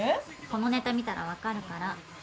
このネタ見たら分かるから。